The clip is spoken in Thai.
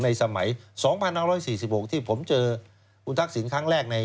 สมัย๒๕๔๖ที่ผมเจอคุณทักษิณครั้งแรกใน